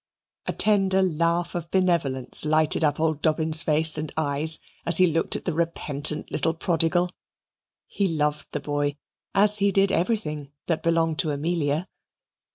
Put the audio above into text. A tender laugh of benevolence lighted up old Dobbin's face and eyes as he looked at the repentant little prodigal. He loved the boy, as he did everything that belonged to Amelia.